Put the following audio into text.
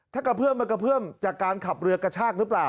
ถ้ากระเพื่อมจากการขับเรือกระชากหรือเปล่า